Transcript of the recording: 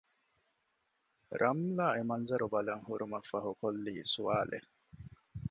ރަމްލާ އެމަންޒަރު ބަލަން ހުރުމަށްފަހު ކޮށްލީ ސްވާލެއް